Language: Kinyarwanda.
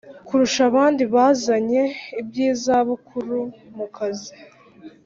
kurusha abandi bazanye iby’izabukuru mukazi